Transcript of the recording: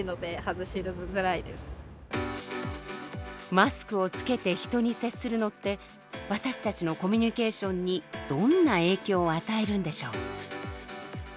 マスクを着けて人に接するのって私たちのコミュニケーションにどんな影響を与えるんでしょう？